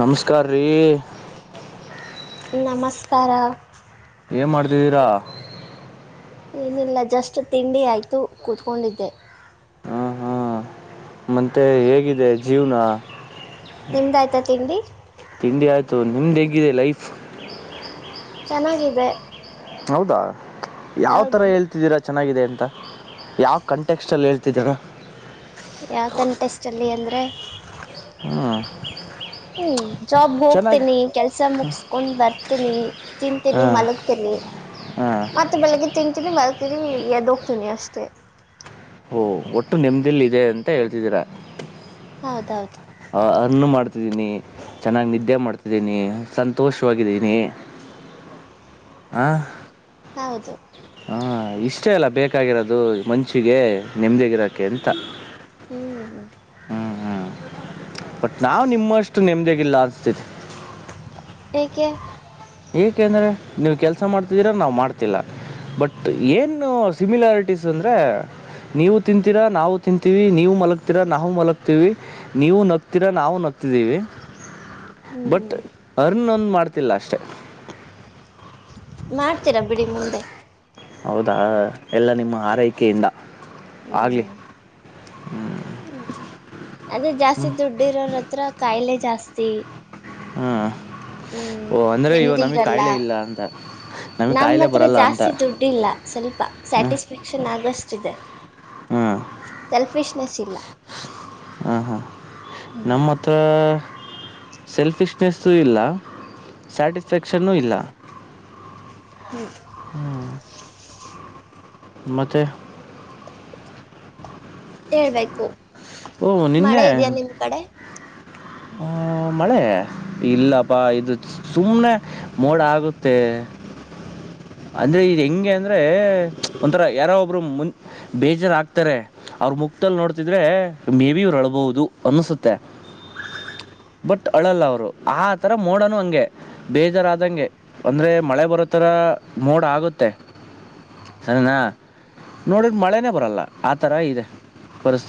ನಮಸ್ಕಾರ ರೀ. ನಮಸ್ಕಾರ. ಏನು ಮಾಡ್ತಿದ್ದೀರಾ? ಏನಿಲ್ಲ ಜಸ್ಟ್ ತಿಂಡಿ ಆಯ್ತು, ಕೂತ್ಕೊಂಡಿದ್ದೆ. ಹಾ ಹಾ ಮತ್ತೆ ಹೇಗಿದೆ ಜೀವ್ನ? ನಿಮ್ದಾಯ್ತಾ ತಿಂಡಿ? ಮತ್ತು ನಿಮ್ದೇಗಿದೆ ಲೈಫ್? ಚೆನ್ನಾಗಿದೆ. ಹೌದಾ ಯಾವ್ ತರ ಹೌದು ಹೇಳ್ತಿದ್ದೀರಾ ಚೆನ್ನಾಗಿದೆ ಅಂತ. ಯಾವ ಕಂಟೆಕ್ಸ್ಟಲ್ಲಿ ಹೇಳ್ತಿದ್ದೀರಾ? ಯಾವ ಕಂಟೆಸ್ಟಲ್ಲಿ ಅಂದರೆ ಹ್ಮ ಹ್ಮ್ ಜಾಬ್ ಹೋಗ್ತನಿ, ಕೆಲಸ ಮುಗಸ್ಕೊಂಡ್ ಬರ್ತೀನಿ ತಿಂತೀನಿ ಹಾಂ ಮಲಗ್ತೀನಿ, ಹಾಂ ಮತ್ತೆ ಬೆಳಿಗ್ಗೆ ತಿಂತೀನಿ ಮಲಗ್ ರಿ ಎದೋಗ್ತೀನಿ ಅಷ್ಟೇ. ಓಹ ಒಟ್ಟು ನೆಮ್ಧಿಯಲ್ಲಿ ಇದೆ ಅಂತ ಹೇಳ್ತಿದ್ದೀರಾ ಹೌದೌದು ಆ ಅನ್ನು ಮಾಡ್ತಿದ್ದೀನಿ ಚೆನ್ನಾಗಿ ನಿದ್ದೆ ಮಾಡ್ತಿದ್ದೀನಿ ಸಂತೋಷವಾಗಿದ್ದೀನಿ ಹಹ ಹೌದು ಅಷ್ಟೇ ಅಲ್ಲ ಬೇಕಾಗಿರೋದು ಮನ್ಷಿಗೆ ನೆಮ್ಮದಿಗಿರೋಕ್ಕೆ ಅಂತ ಹ್ಮ್ ಹ್ಮ ಹ್ಞೂ ಹ್ಞೂ ಬಟ್ ನಾವ್ ನಿಮ್ಮಷ್ಟು ನೆಮದಿಗಲ್ಲ ಅನ್ಸ್ತತಿ ಏಕೆ ಯಾಕೆ ಅಂದ್ರೆ ನೀವು ಕೆಲ್ಸ ಮಾಡ್ತಿದ್ದೀರ ನಾ್ ಮಾಡ್ತಿಲ್ಲ ಬಟ್ ಏನು ಸಿಮಿಲಾರಿಟೀಸ್ ಅಂದ್ರೆ ನೀವು ತಿಂತೀರಾ ನಾವು ತಿಂತೀವಿ ನೀವು ಮಲಗ್ತೀರಾ ನಾವು ಮಲತಿವಿ ನೀವು ನಗ್ತೀರಾ ನಾವು ನಗ್ತಿದೀವಿ ಹ್ಞೂ ಬಟ್ ಅರ್ನ್ ಒಂದ ಮಾಡ್ತಿಲ್ಲ ಅಷ್ಟೆ ಮಾಡ್ ತಿರ ಬಿಡಿ ಮುಂದೆ ಹೌದಾ ಎಲ್ಲ ನಿಮ್ಮ ಆರೈಕೆಯಿಂದ ಹ್ಞೂ ಆಗಲಿ ಹ್ಮ್ ಅದೇ ಜಾಸ್ತಿ ದುಡ್ಡು ಇರೋರ ಹತ್ರ ಕಾಯಿಲೆ ಜಾಸ್ತಿ ಹ್ಮ್ ಹ್ಮ ನೆಮ್ಮದಿ ಇರಲ್ಲ ಇಲ್ಲ ಅಂತ ನಮಗೆ ನಮ್ಮ ಕಾಯಿಲೆ ಹತ್ರ ಬರಲ್ಲ ಅಂತ ಜಾಸ್ತಿ ದುಡ್ಡಿಲ್ಲ ಸ್ವಲ್ಪ ಹ್ಞೂ ಸ್ಯಾಟಿಸ್ಫ್ಯಾಕ್ಷನ್ ಆಗೋಷ್ಟಿದೆ ಹ್ಞೂ ಸೆಲ್ಫಿಶ್ನೆಸ್ ಇಲ್ಲ ಹಾಂ ಹಾಂ ನಮ್ಮ ಹತ್ರ ಸೆಲ್ಫಿಶ್ನೆಸ್ಸೂ ಇಲ್ಲ ಸ್ಯಾಟಿಸ್ಫ್ಯಾಕ್ಷನ್ನೂ ಇಲ್ಲ ಹ್ಮ್ ಮತ್ತೆ ಹೇಳಬೇಕು ಓ ನೆನ್ನೆ ಹ ಮಳೆ ಇಲ್ಲಪ್ಪಾ ಇದು ಸುಮನೆ ಮೋಡ ಆಗುತ್ತೆ ಅಂದ್ರೆ ಇ ಹೆಂಗೆ ಅಂದ್ರೆ ಒಂಥರ ಯಾರೋ ಒಬ್ರು ಮುನ್ ಬೇಜಾರ್ ರಾಗ್ತಾರೆ ಅವ್ರ ಮುಕ್ಲ್ ನೋಡ್ತಿದ್ರೆ ಮೇ ಬಿ ಇವ್ರು ಅಳ್ಬಹುದು ಅನ್ನಸುತ್ತೆ ಬಟ್ ಅಳಲ್ಲ ಅವ್ರು ಆತರ ಮೋಡನು ಹಂಗೆ ಬೇಜಾರ ಆದಂಗೆ ಅಂದ್ರೆ ಮಳೆ ಬರೋತರ ಮೋಡ ಆಗುತ್ತೆ ಸರಿನಾ ನೋಡ ಮಳೆನೇ ಬರಲ್ಲ ಆತರ ಇದೆ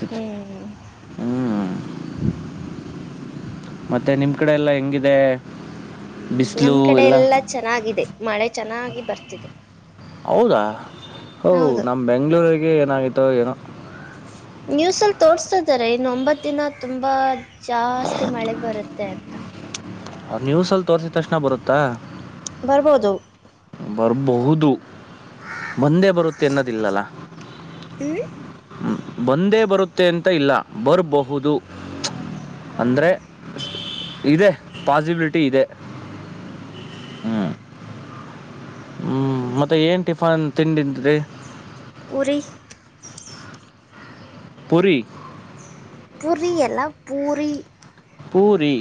ಹ್ಮ್ ಹ್ಮ್ ಮತ್ತೆ ನಿಮ ಕಡೆ ಎಲ್ಲ ಹೆಂಗಿದೆ ಬಿಸಿಲು ನಮ್ ಕಡೆ ಎಲ್ಲ ಎಲ್ಲಾ ಚೆನ್ನಾಗಿದೆ ಮಳೆ ಚೆನ್ನ ಬರ್ತಿದೆ ಹೌದಾ ಹೌ ಹೌದು ನಮ್ಮ್ ಬೆಂಗಳೂರು ಏನಾಯ್ತೋ ಏನೋ ನ್ಯೂಸ್ ಅಲ್ಲಿ ತೋರ್ಸ್ತಾ ಇದಿದ್ದಾರೆ ಇನ್ನು ಒಂಬತ್ತು ದಿನ ತುಂಬಾ ಜಾಸ್ತಿ ಮಳೆ ಬರುತ್ತೆ ತ್ತ ಅದ್ ನ್ಯೂಸಲ್ಲಿ ತೋರ್ಸಿದ್ ತಕ್ಷಣ ಬರುತ್ತಾ ಬರ್ಬೋದು ಬರಬಹುದು ಬಂದೇ ಬರುತ್ತೆ ಅನ್ನೋದಿಲ್ಲಲ್ಲ ಊ ಬಂದೇ ಬರುತ್ತೆ ಅಂತ ಇಲ್ಲ ಬರಬಹುದು ಅಂದ್ರೆ ಇದೆ ಪಾಸಿಬಿಲಿಟಿ ಇದೆ ಹ್ಮ ಹ್ಮ್ ಮತ್ತೆ ಏನ್ ಟಿಫನ್ ತಿಂಡಿಂದರೆ ಪೂರಿ ಪುರಿ ಪುರಿ ಎಲ್ಲ ಪೂರಿ ಪೂರಿ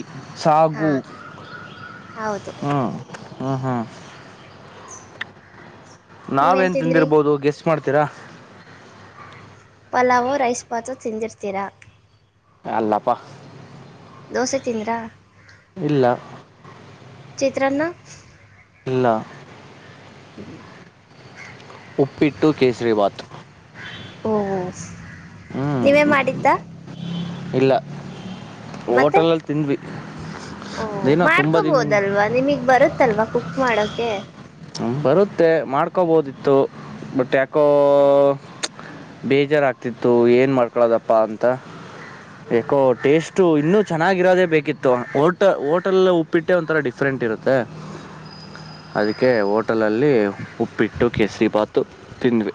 ಸಾಗು ಹಾಂ ಹೌದು ಹ್ಮ ಹ್ಮ ಹಾ ನಾವ್ ನೀವೇನು ಏನ್ ತಿಂದ್ರಿ ತಂದಿರ್ಬೋದು ಗೆಸ್ ಮಾಡ್ ತಿರ ಪಲಾವೋ ರೈಸ್ ಬಾತೊ ತಿಂದಿರ್ತೀರಾ ಅಲ್ಲಪ ದೋಸೆ ತಿಂದ್ರಾ ಇಲ್ಲ ಚಿತ್ರನ್ನ ಇಲ್ಲ ಹ್ಮ ಉಪ್ಪಿಟ್ಟು ಕೇಸ್ರಿಬಾತ್ ಓ ಓಸ್ ನೀವೇ ಮಾಡಿದ್ದಾ ಇಲ್ಲ ಮತ್ತೆ ಹೋಟೆಲಲ್ಲಿ ತಿಂದ್ವಿ ಓ ದಿನ ತುಂಬ ದಿನ ಮಾಡ್ಕೋಬೋದಲ್ವಾ ನಿಮಗ್ ಬರುತ್ತಲ್ವಾ ಕುಕ್ ಮಾಡಕೆ ಬರುತ್ತೆ ಮಾಡ್ಕೊಬೋದಿತ್ತು ಬಟ್ ಯಾಕೋ ಬೇಜಾರಾಗ್ತಿತ್ತು ಏನು ಮಾಡ್ಕೊಳೋದಪ್ಪ ಅಂತ ಯಾಕೋ ಟೇಸ್ಟು ಇನ್ನೂ ಚೆನ್ನಾಗಿರೋದೇ ಬೇಕಿತ್ತು ಓಟ ಹೋಟೆಲ ಉಪ್ಪಿಟ್ಟೆ ಒಂಥರ ಡಿಫ್ರೆಂಟ್ ಇರುತ್ತೆ ಅದಿ ಕ್ಕೆ ಹೋಟೆಲಲ್ಲಿ ಉಪ್ಪಿಟ್ಟು ಕೇಸರಿಬಾತು ತಿಂದ್ವಿ.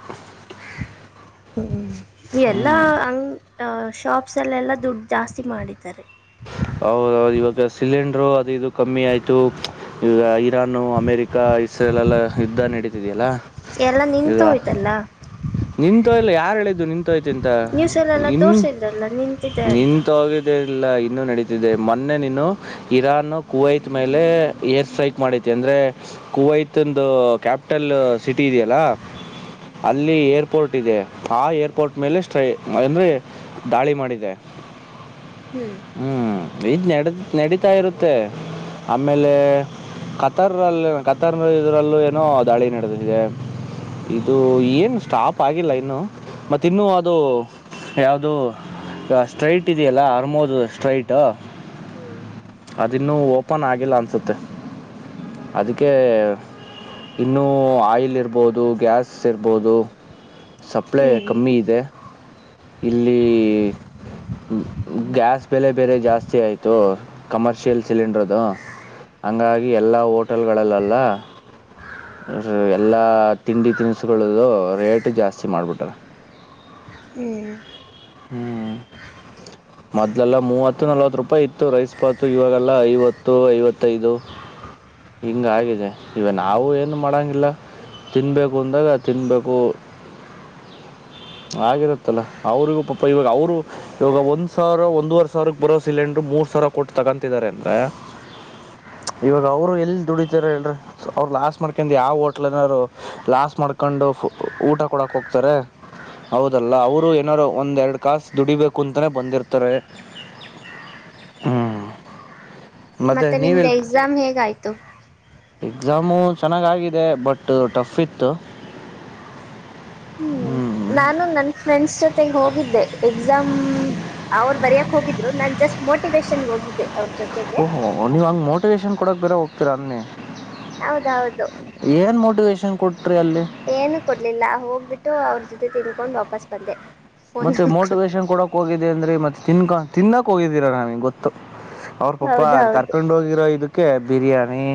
ಎಲ್ಲಾ ಹಂಗ್ ಆ ಶಾಪ್ಸ್ ಅಲ್ಲೆಲ್ಲ ದುಡ್ ಜಾಸ್ತಿ ಮಾಡಿದ್ದಾರೆ ಹೌದೌದು ಇವಾಗ ಸಿಲಿಂಡರು ಅದು ಇದು ಕಮ್ಮಿ ಆಯ್ತು ಈಗ ಇರಾನ್ ಅಮೇರಿಕ ಇಸ್ರೇಲ್ ಎಲ್ಲ ಯುದ್ಧ ನಡೀತಿದೆಯಲ್ಲ ಎಲ್ಲಾ ನಿಂತ ಹೋಯ್ತಲ್ಲ ನಿಂತ ಇಲ್ಲ ಯಾರ ಹೇಳಿದ್ದು ನಿ ತೊಯಿತಂತ ನ್ಯೂಸಲ್ಲೆಲ್ಲ ಇನ್ ತೋರಿಸಿದ್ರಲ್ಲ ನಿಂತಿದೆ ಅಂತ ನಿಂತೋಗಿದ್ದೇನಿಲ್ಲ ಇನ್ನು ನಡೀತಿದೆ ಮೊನ್ನೆ ನೀನು ಇರಾನ್ ಕುವೈತ್ ಮೇಲೆ ಏರ್ ಸ್ಟ್ರೈಕ್ ಮಾಡತಿ ಅಂದ್ರೆ ಕುವೈತ್ ಒಂದು ಕ್ಯಾಪಿಟಲ್ ಸಿಟಿ ಇದೆಯಲ್ಲ ಅಲ್ಲಿ ಎರ್ ಏರ್ಪೋರ್ಟ್ ಇದೆ ಆ ಏರ್ಪೋರ್ಟ್ ಮೇಲೆ ಸ್ಟ್ರೈ ಅಂದ್ರೆ ದಾಳಿ ಮಾಡಿದೆ. ಹ್ಞೂ ಹ್ಮ್ ಇದು ನ ನಡೀತಾ ಇರುತ್ತೆ ಆಮೇಲೆ ಕತರಲ್ಲಿ ಕತರ್ ಇದರಲ್ಲೂ ಏನೋ ದಾಳಿ ನಡೆದಿದೆ ಇದು ಏನು ಸ್ಟಾಪ್ ಆಗಿಲ್ಲ ಇನ್ನು ಮತ್ತ ಇನ್ನು ಅದು ಯಾವು್ದ ಸ್ಟ್ರೈಟ್ ಇದೆಯಲ್ಲ ಆರ್ಮೋದು ಸ್ಟ್ರಟ್ ಅದುಿನ್ನು ಓಪನ್ ಆಗಿಲ್ಲ ಅನ್ಸುತ್ತೆ ಅದಕ್ಕೆ ಇನ್ನುೂ ಆಯಿಲ್ ಇರಬಹುದು ಗ್ಯಾಸ್ ಇರ್ಬಹುದು ಸಪ್ಲೈ ಹ್ಞೂ ಕಮ್ಮಿ ಇದೆ ಇಲ್ಲಿ ಗ್ಯಾಸ್ ಬೆಲೆ ಬೆರೆ ಜಾಸ್ತಿ ಆಯ್ತು ಕಮರ್ಷಿಯಲ್ ಸಿಲಿಂಡರ್ದು ಹಂಗಾಗಿ ಎಲ್ಲಾ ಹೋಟೆಲ್ಗಳಲ್ಲಲ್ಲ ಎಲ್ಲಾ ತಿಂಡಿ ತಿನಿಸುಗಳದು ರೇಟ್ ಜಾಸ್ತಿ ಮಾಡಿಬಿಟ್ರ ಹ್ಮ್ ಹ್ಮ್ ಮೊದ್ಲೆಲ್ಲಾ ಮೂವತ್ತು ನಲ್ವತ್ತು ರೂಪಾಯಿ ಇತ್ತು ರೈಸ್ಪಾತು ಇವಾಗೆಲ್ಲಾ ಐವತ್ತು ಐವತ್ತೈದು ಹಿಂಗ ಆಗಿದೆ ಇವ ನಾವು ಏನು ಮಾಡಂಗಿಲ್ಲ ತಿನ್ಬೇಕು ಅಂದಾಗ ತಿನ್ಬೇಕು ಆಗಿರತ್ತಲ್ಲ ಅವ್ರಿಗೂ ಪಾಪ ಇವಾಗ ಅವರು ಇವಾಗ ಒಂದ್ ಸಾವಿರ ಒಂದುವರೆ ಸಾವಿರಕ್ ಬರೋ ಸಿಲಿಂಡರ್ ಮೂರ್ ಸಾವಿರ ಕೊಟ್ಟ ತಗೊಂತಿದಾರೆ ಅಂದ್ರ ಇವಾಗ ಅವ್ರು ಎಲ್ ದುಡಿತಾರೆ ಹೇಳ್ರ ಅವ್ರು ಲಾಸ್ಟ್ ಮಾಡ್ಕಂಡ ಯಾವ ಹೋಟ್ಲ್ನರು ಲಾಸ್ಟ್ ಮಾಡ್ಕೊಂಡು ಊಟ ಕೊಡಕ್ ಹೋಗ್ತಾರೆ ಹೌದಲ್ಲ ಅವರು ಏನಾರರು ಒಂದ್ ಎರಡ್ ಕಾಸ ದುಡಿಬೇಕು ಅಂತಾನೇ ಬಂದಿರ್ತಾರೆ ಹ್ಮ್ ಮತ್ತೆ ನಿಮ್ದ್ ಎಕ್ಸಾಮ್ ಹೇಗ ಆಯ್ತು ತ್ತು ಎಕ್ಸಾಮು ಚೆನ್ನಾಗ ಆಗಿದೆ ಬಟ್ ಟಫ್ ಇತ್ತು ಹ್ಞೂ ಹ್ಮ್ ನಾನು ನನ್ ಫ್ರೆಂಡ್ಸ್ ಜೊತೆ ಹೋಗಿದ್ದೆ ಎಕ್ಸಾಮ್ ಅವ್ರು ಬರೆಯೋಕ್ಕೆ ಹೋಗಿದ್ರು ನಾನು ಜಸ್ಟ್ ಮೋಟಿವೇೇಶನ್ಗೆ ಹೋಗಿದ್ದೆ ಅವ್ರು ಓ ಹ ನೀವುಾಗ ಮರ್ ನೋಟಿಕೇಶನ್ ಕೊಡಕ್ಕೆ ಬೇರ ಹೋಗತೀರ ಅನ್ನೇ ಹೌದೌದು ಮೋಟಿವೇಶನ್ ಕೊಟ್ರಿ ಅಲ್ಲಿ ಏನು ಕೊಡ್ಲಿಲ್ಲ ಹೋಗ್ಬಿಟ್ಟು ಅವ್ರ ಜೊತೆ ತಿನ್ಕೊಂಡು ವಾಪಸ್ ಬಂದೆ ಫೋನ್ ಮತ್ತೆ ನೋಡ್ಕೊಂಡು ಮೋಟಿವೇಶನ್ ಕೊಡಕ್ ಹೋಗಿದ್ದ ಅಂದ್ರೆ ಮತ್ತೆ ತಿನ್ಕ ತಿನ್ನಕ್ ಹೋಗಿದ್ದೀರ ನಾವಿ ಗೊತ್ತು ಅವ್ರ ಪಾಪ ಹೌದೌದು ಕರ್ಕೊಂಡ್ ಹೋಗಿರೋ ಇದಕ್ ಬಿರಿಯಾನಿ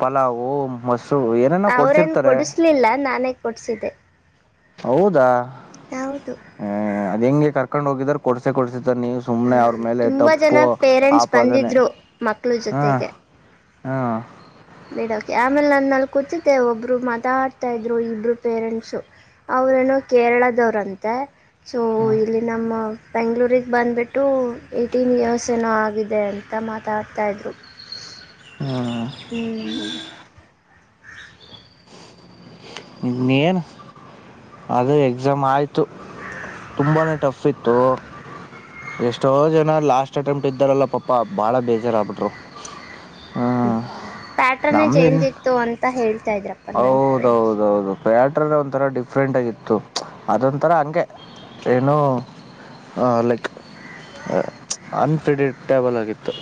ಪಲಾವ್ ಮಸ್ ಅವ್ರೇನ್ ಕೊಡಿಸಲಿಲ್ಲ ನಾನೇ ಸ್ ಒಟ್ಟಿಸಿದೆ ಹೌದಾ ಯಾವುದು ಅದ ಹೆಂಗೆ ಕರ್ಕ್ ಹೋಗ್ರರು ಕೊಡ್ಸೆ ಕೊಡ್ಸ ಹ್ಮ ತುಂಬಾ ಜನ ಪೇರೆಂಟ್ಸ್ ಆಪಾದನೆ ಬಂದಿದ್ರು ಮಕ್ಳ ಹಾ ಜೊತೆಗೆ ಹಾ ಬಿೇಡಕೆ ಆಮೇಲೆ ನನ್ನಲ್ಲಿ ಕೂತಿದ್ದೆ ಒಬ್ರು ಮಾತಾಡ್ತಾ ಇದ್ರು ಇಬ್ರು ಪೇರೆಂಟ್ಸು ಅವ್ರೇನೋ ಕೇರಳದವ್ರಂತೆ ಸೊ ಇಲ್ಲಿ ನಮ್ಮ ಬೆಂಗಳೂರಿಗೆ ಬಂದ್ಬಿಟ್ಟು ಏಯ್ಟೀನ್ ಇಯರ್ಸ್ ಏನೋ ಆಗಿದೆ ಅಂತ ಮಾತಾಡ್ತಾಯಿದ್ರು ಹ್ಮ್ ಹ್ಮ್ ಇ ಏನ್ ಅದು ಎಕ್ಸಾಮ್ ಆಯ್ತು ತುಂಬಾನೇ ಟಫ್ ಇತ್ತು ಎಷ್ಟೋ ಜನ ಲಾಸ್ಟ್ ಅಟ್ಟೆಂಪ್ಟ್ ದ್ದಾರಲ್ಲ ಪಾಪಾ ಬಾಳ ಬೇಜಾರಗ್ಬಿಟ್ರು ್ಮ ಪ್ಯಾಟ್ರನ್ೇ ಚೇಂಜ್ ಇತ್ತು ಅಂತ ಹೇಳ್ತಾ ಇದ್ರ. ಹೌದೌದೌದು. ಬ್ಯಾಟ್ರರ್ ಒಂಥರ ಡಿಫ್ರೆಂಟಾಗಿಿತ್ತು ಅದೊಂಥರ ಹಗೆ ಏನೂ ಲೈಕ್. ಹ ಅ. ಕ್ರೆಡಿಟೇಬಲ್ ಆಗಿತ್ತು.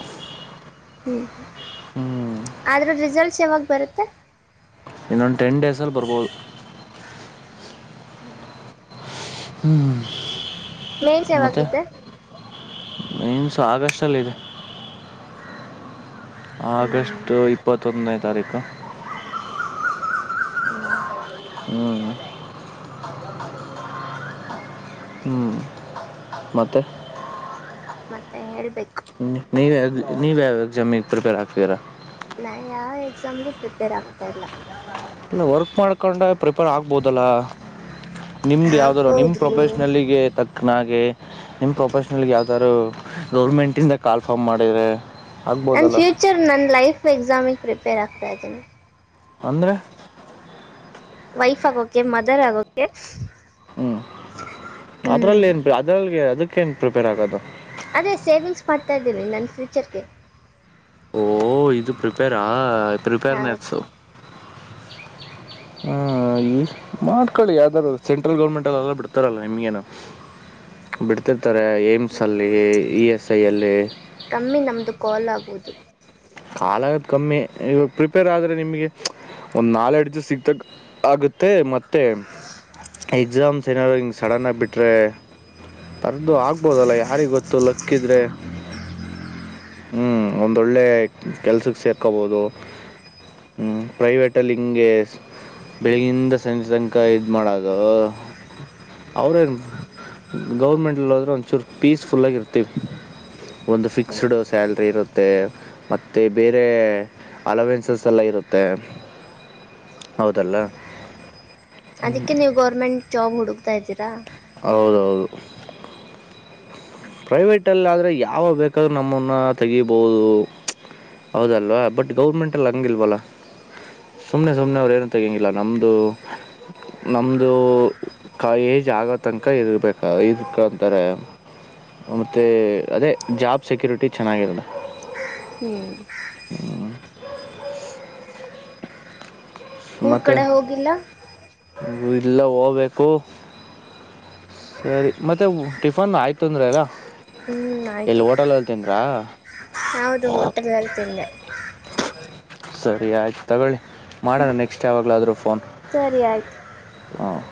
ಹ್ಮ್ ಹ್ಮ್ ಆದ್ರೆ ರಿಸಲ್ಟ್. ಯಾವಾಗ ಬರುತ್ತೆ. ಇನ್ನೊಂದು. ಟೆನ್ ಡೇಸಲ್ಲಿ ಬರ್ಬೋದು. ಹ್ಮ್. ಮೇನ್ಸ್ ಯಾವಾಗಿದ್ದ. ಇನ್ಸ ಆಗಸ್ ಅಲ್ಲಿ ಇದೆ. ಹ್ಞೂ ಆಗಸ್ಟ್ ಇಪ್ಪತ್ತೊಂದೈ. ತಾರಕ. ಬ ನ ನ. ಹ್ಮಞ ಹ್ಞ ಮತ್ತೆ. ಮತ್ತೆ ಹೇಳ್ಬೇಕು. ನೀ ಬ ಎಾಮಿ ಪ್ರಪ. ನಾ ಯಾವ ಎಕ್ಸಾಮ್ಗೆ ಪ್ರಿಪೇರ್ ಆಗ್ತಾ ಇಲ್ಲ. ಇಲ್ಲ ವರ್ಕ್ ಮಾಡ್ಕೊಂಡ ಪ್ರಿಪೇರ್ ಆಗ್ಬೋದಲ್ಲ. ನಿಮ್ದು ಯಾವ್ದಾರೂ ನಿಮ್ ಆಗ್ಬೋದು ಪ್ರೊಫೆಷನಲ್ಗೆ ತಕ್ನಾಗೆ. ನಿಮ್ ಪ್ರೊಫೆಷನಲ್ ಯಾವ್ದಾರು ಗೌರ್ಮೆಂಟ್ಂದ ಕಾಲ್ ಫಾರ್ಮ್ ಮಾಡಿದ್ರೆ. ನನ್ ಫ್ಯೂಚರ್ ನನ್ ಲೈಫ್ ಎಕ್ಸಾಮಿಗ್ ಪ್ರಿಪೇರ್ ಆಗ್ತ. ಪ್ರಜನೆ. ಅಂದ್ರೆ. ವೈಫ್ ಆಗೋಕೆ ಮದರ್ ಆಗೋೆ. ಹ್ಮ್ ಅದ್ರಲ್ಲಿ ಏನ್ ಅದ್ರಲ್ಲಿ ಅದಕ್ಕೇನ್ ಪ್ರಿಪೇರ್ ಆಗೋದು. ರಿಚಕೆ. ಓ ಇದು ಪ್ರಿಪೇರಾ. ಹೌದು ಪ್ರಿಪೇರ್ನೆಸು. ಹ ಈ ಮಾಡ್ಕೊಳ್ಳಿ ಯಾವ್ದಾದಾರ ಸೆಂಟ್ರಲ್ ಗೌರ್ಮೆಂಟ್ಲ್ಲ ಎಲ್ಲ ಬಿಡ್ತಾರಲ್ಲ ನಿಮ್ಗೇನು. ಬಿಡ್ತ. ಈ ಥರ ಏಮ್ಸಲ್ಲಿ ಇ ಎಸ್ ಐಯಲ್ಲಿ. ಕಮ್ಮಿ ನಮ್ಮದು ಕಾಲ್ ಆಗುವದು. ಹಾಲ ಕಮ್ಮಿ ಇವಾಗ ಪ್ರಿಪೇರ್ ಆದ್ರೆ ನಿಮಗೆ ಒಂದ್ ನಾಲ್ೆಡ್ ದಿವ ಸಿಗ್ತಕ್ ಆಗುತ್ತೆ ಮತ್ತೆ ಎಕ್ಸಾಮ್ಸ್ ಏನಾರರು ಸಡನ್ ಆಗ ಬಿಟ್ರೆ ಪರ್ದು ಆಗ್ಬೋದಲ್ಲ ಯಾರಿ ಗೊತ್ತು ಲಕ್ಕ ಇದ್ರೆ ಹ್ಮ ಒಂದಳ್ಳೆ. ಕೆಲ್ಸಕ್ಕೆ ಸೇರ್ಕೊಬೋದು ಪ್ರೈವೇಟಲ್ಲಿ ಹಿಂಗೆ ಬೆಳಗಿಂದ ಸಂಜೆ ತನಕ ಇದು ಮಾಡೋದು ಅವರೇನು ಗೌರ್ಮೆಂಟಲ್ಲಿೋದ್ರೆ ಒಂಚೂರು ಪೀಸ್ಫುಲ್ಲಾಗಿ ಇರ್ತೀವಿ ಒಂದು ಹ್ಞೂ ಫಿಕ್ಸ್ಡ್ ಸ್ಯಾಲ್ರಿ ಇರುತ್ತೆ ಮತ್ತು. ಮ ಬೇರೆ ಅಲವೆನ್ಸಸ್ ಎಲ್ಲ ಇರುತ್ತೆ ಹೌದಲ್ಲ. ಅದಕ್ಕೆ ನೀವು ಗೌರ್ಮೆಂಟ್ ಜಾಬ್ ಹುಡುಕ್ತಾ ಇದ್ದೀರಾ ಹೌದೌದು ಪ್ರೈವೇಟಲ್ಲ ಆದರೆ ಯಾವ ಬೇಕಾದರೂ ನಮ್ಮನ್ನು ತೆಗಿಬೋದು ಹೌದಲ್ವಾ ಬಟ್ ಗೌರ್ಮೆಂಟಲ್ಲಿ ಹಂಗಲ್ವಲ್ಲ ಸುಮ್ಮನೆ ಸುಮ್ಮನೆ ಅವ್್ರೇನುೂ ತೆಗಿಂಗಿಲ್ಲ ನಮ್ಮದು ನಮ್ಮದು ಕ ಏಜ್ ಆಗೋ ತನಕ ಇರಬೇಕು ಇಕಂತಾರೆ ಮತ್ತು ಅದೇ ಜಾಬ್ ಸೆಕ್ಯುರಿಟಿ ಚೆನ್ನಾಗಿರದ ಹ್ಮ್ ಊರ್ ಮತ್ತೆ ಕಡೆ ಹೋಗಿಲ್ಲ ಇಲ್ಲ ಹೋಗ್ಬೇಕು ಸರಿ ಮತ್ತೆ ಟಿಫನ್ ಆಯ್ತು ಅಂದ್ರ ಅಲ್ಲ ಆಯ್ತು ಎಲ್ಲಿ ಹೋಟೆಲಲ್ಲಿ ತಿಂದ್ರಾ ನಾವುದು ಹೋಟೆಲ್ಲ್ಲಿ ತಿಂದೆ ಹ್ಮ ಸರಿ ಆಯ್ತು ತಗೊಳ್ಳಿ ಮಾಡೋಣ ನೆಕ್ಸ್ಟ್ ಯಾವಾಗಲಾದರೂ ಫೋನ್ ಸರಿಯ್ತ ಹಾಂ